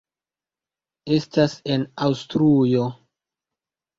Estas en Aŭstrujo.